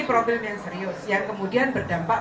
pertanyaan yang keempat memiliki tanggung jawab